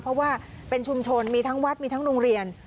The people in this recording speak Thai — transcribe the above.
เพราะว่าเป็นชุมชนมีทั้งวัดมีทั้งโรงเรียน